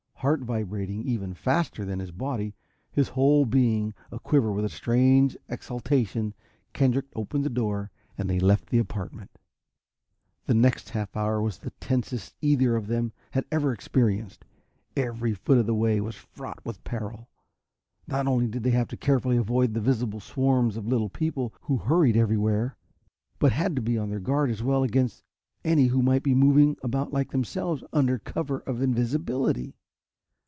Heart vibrating even faster than his body, his whole being a quiver with a strange exaltation, Kendrick opened the door, and they left the apartment. The next half hour was the tensest either of then had ever experienced. Every foot of the way was fraught with peril. Not only did they have to carefully avoid the visible swarms of little people who hurried everywhere, but had to be on their guard as well against any who might be moving about like themselves under cover of invisibility.